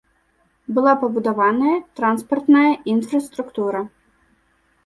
Была пабудаваная транспартная інфраструктура.